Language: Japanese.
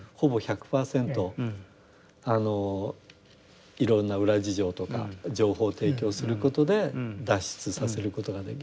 あのいろんな裏事情とか情報を提供することで脱出させることができる。